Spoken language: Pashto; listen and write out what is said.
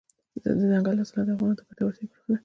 دځنګل حاصلات د افغانانو د ګټورتیا برخه ده.